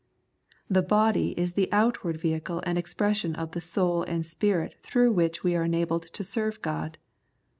The body is the outward vehicle and expression of the soul and spirit through which we are enabled to serve God.